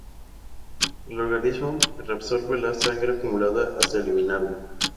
El organismo reabsorbe la sangre acumulada hasta eliminarlo.